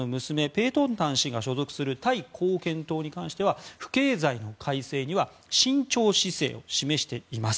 ペートンタン氏が所属するタイ貢献党に関しては不敬罪の改正には慎重姿勢を示しています。